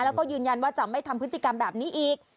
แล้วก็ยืนยันว่าจะไม่ทำพฤติกรรมแบบนี้อีก